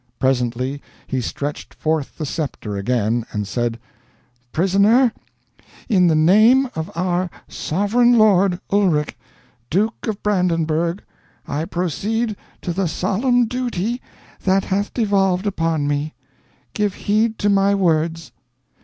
Presently he stretched forth the sceptre again, and said: "Prisoner, in the name of our sovereign lord, Ulrich, Duke of Brandenburgh, I proceed to the solemn duty that hath devolved upon me. Give heed to my words.